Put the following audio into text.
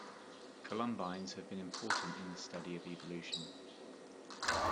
Columbines have been important in the study of evolution.